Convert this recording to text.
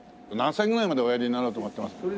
何歳ぐらいまでおやりになろうと思ってます？